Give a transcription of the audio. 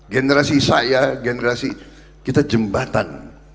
generasi saya generasi kita jembatan